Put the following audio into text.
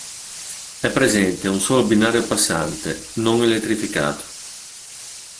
È presente un solo binario passante, non elettrificato.